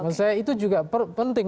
menurut saya itu juga penting